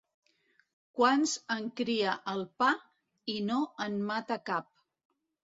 Quants en cria el pa i no en mata cap.